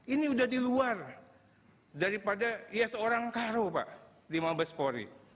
ini udah di luar daripada iya seorang karo pak di mabes polri